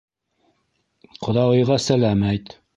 — Ҡоҙағыйға сәләм әйт.